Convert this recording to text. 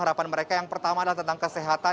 harapan mereka yang pertama adalah tentang kesehatan